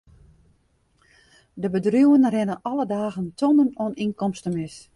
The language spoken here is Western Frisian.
De bedriuwen rinne alle dagen tonnen oan ynkomsten mis.